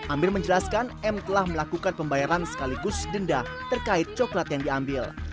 amir menjelaskan m telah melakukan pembayaran sekaligus denda terkait coklat yang diambil